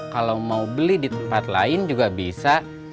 kalau mau beli di tempat lain juga bisa